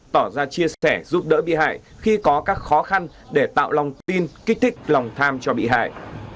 tỏ ra chia sẻ giúp đỡ bị hại khi có các khó khăn để tạo lòng tin kích thích lòng tham cho bị hại